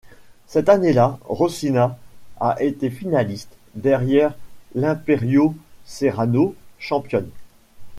Cette année-là, Rocinha a été finaliste, derrière l'Império Serrano, championne.